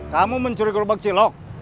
kamu mencuri gerobak cilok